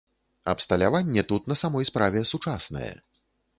Абсталяванне тут на самой справе сучаснае.